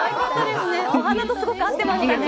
お花とすごく合ってましたね。